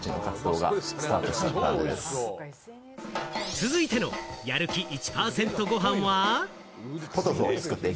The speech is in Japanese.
続いてのやる気１％ごはんは？